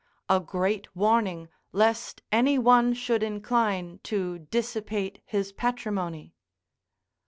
a great warning lest any one should incline to dissipate his patrimony."